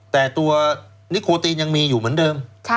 แต่ตัวนิโคตีนยังมีอยู่เหมือนเดิม